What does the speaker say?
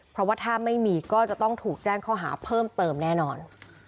เพราะว่าถ้าไม่มีก็จะต้องถูกแจ้งข้อหาเพิ่มเติมแน่นอน